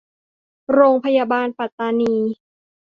โรงพยาบาลปัตตานี